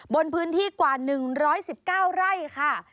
บนพื้นที่กว่า๑๑๙ไร่ค่ะ